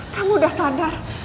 kamu udah sadar